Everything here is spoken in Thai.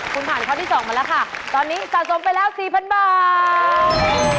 คุณผ่านข้อที่๒มาแล้วค่ะตอนนี้สะสมไปแล้ว๔๐๐๐บาท